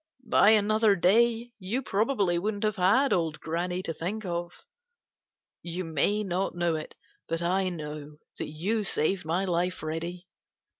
By another day you probably wouldn't have had old Granny to think of. You may not know it, but I know that you saved my life, Reddy.